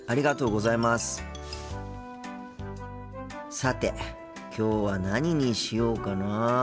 さてきょうは何にしようかな。